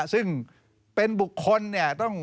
ซึ่งเป็นบุคคลเนี่ย